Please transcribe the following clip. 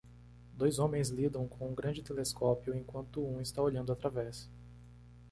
Dois homens lidam com um grande telescópio enquanto um está olhando através